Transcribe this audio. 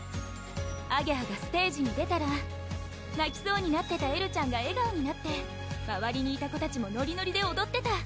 あげはがステージに出たらなきそうになってたエルちゃんが笑顔になってまわりにいた子たちもノリノリでおどってた